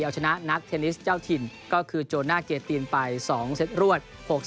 เอาชนะนักเทนนิสเจ้าถิ่นก็คือโจรหน้าเกียรตินไป๒เซ็ตรวด๖๓๖๔